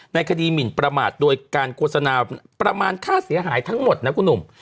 ในคดีหมินประมาทโดยการโฆษณาประมาณค่าเสียหายทั้งหมดนะคุณหนุ่ม